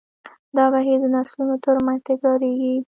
دا بهیر د نسلونو تر منځ تکراریږي.